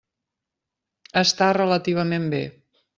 Està relativament bé.